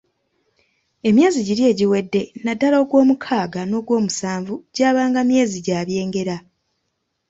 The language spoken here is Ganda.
Emyezi giri egiwedde naddala ogw'omukaaga, n'ogwomusanvu gyabanga myezi gya byengera.